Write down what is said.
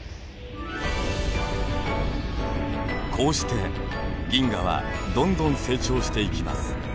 こうして銀河はどんどん成長していきます。